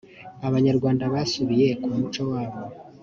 abanyarwanda basubiye ku muco wabo